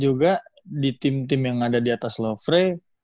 juga di tim tim yang ada di atas loverei